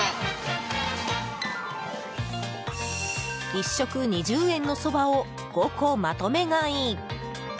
１食２０円のそばを５個まとめ買い。